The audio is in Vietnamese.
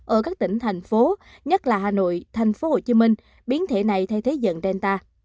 ở các tỉnh thành phố nhất là hà nội tp hcm biến thể này thay thế dần delta